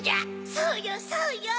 そうよそうよ！